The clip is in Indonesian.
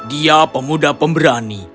dia pemuda pemberani